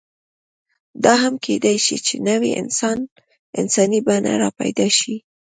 دا هم کېدی شي، چې نوې انساني بڼې راپیدا شي.